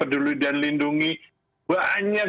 dulu dan lindungi banyak